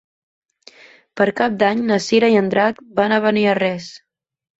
Per Cap d'Any na Cira i en Drac van a Beniarrés.